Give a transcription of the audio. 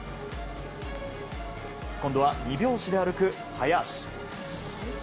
今度は２拍子で歩く速歩。